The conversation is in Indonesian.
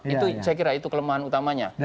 itu saya kira itu kelemahan utamanya